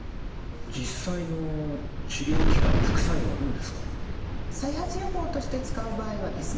実際の治療期間や副作用はどうですか？